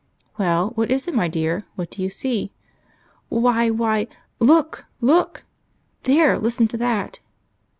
"Well, what is it, my dear? What do you see?" "Why, why ... look! look! There, listen to that."